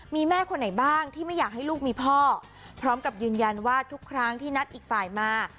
มีแม่คนไหนบ้างที่ไม่อยากให้ลูกมีพ่อพร้อมกับยืนยันว่าทุกครั้งที่นัดอีกฝ่ายมา